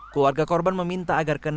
keluarga korban meminta agar ke enam